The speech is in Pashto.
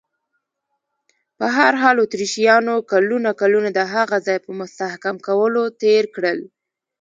په هر حال، اتریشیانو کلونه کلونه د هغه ځای په مستحکم کولو تېر کړل.